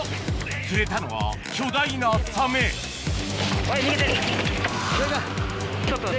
釣れたのは巨大なサメはい逃げて。